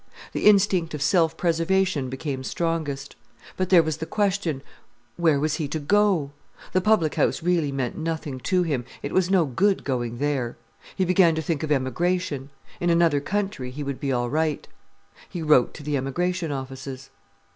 The instinct of self preservation became strongest. But there was the question: Where was he to go? The public house really meant nothing to him, it was no good going there. He began to think of emigration. In another country he would be all right. He wrote to the emigration offices.